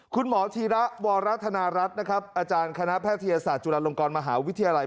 คุณหมอธีระวรธนารัฐนะครับอาจารย์คณะแพทยศาสตร์จุฬาลงกรมหาวิทยาลัย